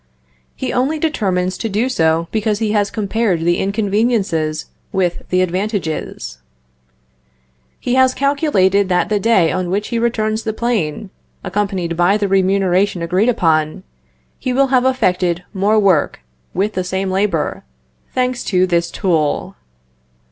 He only determines to do so because he has compared the inconveniences with the advantages. He has calculated that the day on which he returns the plane, accompanied by the remuneration agreed upon, he will have effected more work, with the same labor, thanks to this tool.